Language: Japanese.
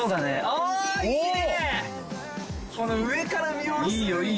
あいいね！